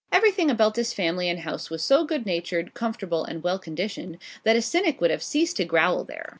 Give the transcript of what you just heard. Everything about this family and house was so good natured, comfortable, and well conditioned, that a cynic would have ceased to growl there.